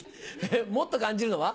もっと感じるのは？